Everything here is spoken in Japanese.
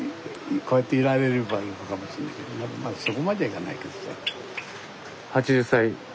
こうやっていられればいいのかもしんないけどまだそこまでじゃないけどさ。